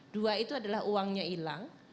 dua itu adalah uangnya hilang